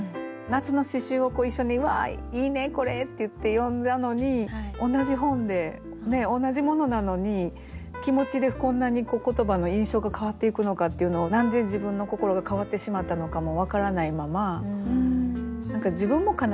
夏の詩集を一緒に「わあいいねこれ」っていって読んだのに同じ本で同じものなのに気持ちでこんなに言葉の印象が変わっていくのかっていうのを何で自分の心が変わってしまったのかも分からないまま何か自分も悲しいんですよね。